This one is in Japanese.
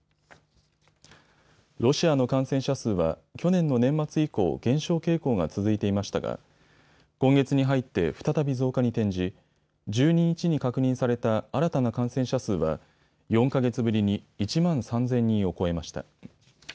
ロシアの感染者数は去年の年末以降、減少傾向が続いていましたが今月に入って再び増加に転じ１２日に確認された新たな感染者数は４か月ぶりに１万３０００人を超えました。